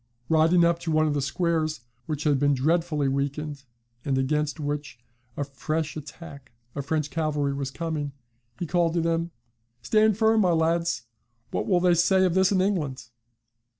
Riding up to one of the squares, which had been dreadfully weakened, and against which a fresh attack of French cavalry was coming, he called to them: "Stand firm, my lads; what will they say of this in England?"